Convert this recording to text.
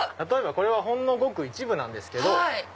これはほんのごく一部なんですけど。